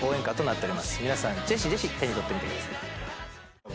皆さんジェシジェシ手に取ってみてください。